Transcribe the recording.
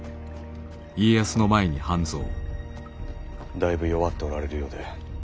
だいぶ弱っておられるようで。